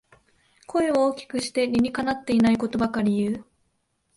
声を大きくして理にかなってないことばかり言う